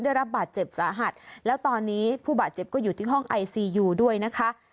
ได้รับบาดเจ็บสาหัสแล้วตอนนี้ผู้บาดเจ็บก็อยู่ที่ห้องไอซียูด้วยนะคะ